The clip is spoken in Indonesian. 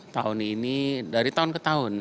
tahun ini dari tahun ke tahun